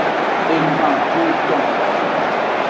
Egban hoton.